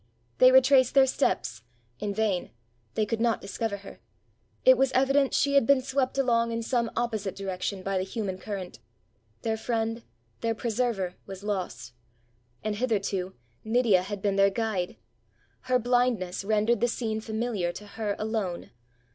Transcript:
They retraced their steps — in vain: they could not dis cover her — it was evident she had been swept along in some opposite direction by the human current. Their friend, their preserver, was lost! And hitherto Nydia 448 THE DESTRUCTION OF POMPEII had been their guide. Her blindness rendered the scene familiar to her alone.